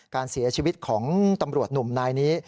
การเสียชีวิตของตำรวจหนุ่มนายนี้